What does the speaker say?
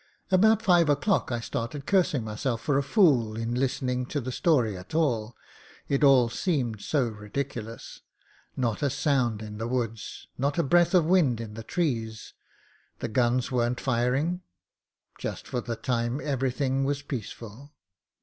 About five o'clock I started cursing myself for a fool in listening to the story at all, it all seemed so ridiculous. Not a sound in the woods, not a breath of wind in the trees. The guns weren't firing, just for the time everything was peaceful.